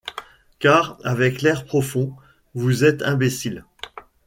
Car, avec l’air profond, vous êtes imbéciles!